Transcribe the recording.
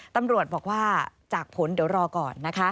ตำรวจบอกว่าจากผลเดี๋ยวรอก่อนนะคะ